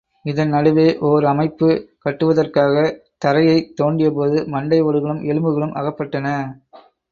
இதன் நடுவே ஓர் அமைப்பு கட்டுவதற்காகத் தரையைத் தோண்டியபோது மண்டை ஓடுகளும் எலும்புகளும் அகப்பட்டன.